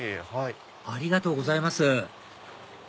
ありがとうございます